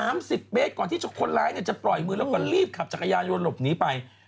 ๓๐เมตรก่อนที่คนร้ายจะปล่อยมือแล้วก็รีบขับจักรยานรวดหลบหนีไป